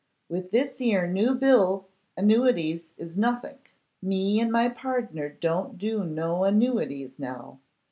With this here new bill annuities is nothink. Me and my pardner don't do no annuities now.